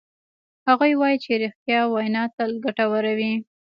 هغوی وایي چې ریښتیا وینا تل ګټوره وی